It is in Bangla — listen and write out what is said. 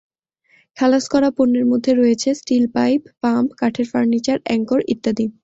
খালাস করা পণ্যের মধ্যে রয়েছে স্টিল পাইপ, পাম্প, কাঠের ফার্নিচার, অ্যাংকর ইত্যাদি।